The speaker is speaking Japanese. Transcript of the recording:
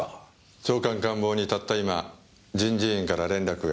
長官官房にたった今人事院から連絡が。